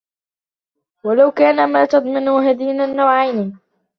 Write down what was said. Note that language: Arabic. وَلَوْ كَانَ مَا تَضَمَّنَ هَذَيْنِ النَّوْعَيْنِ